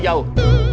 aduh aduh aduh